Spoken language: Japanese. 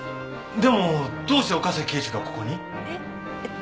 でもどうして岡崎警視がここに？えっ？